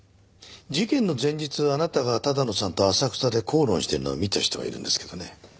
事件の前日あなたが多田野さんと浅草で口論してるのを見た人がいるんですけどね。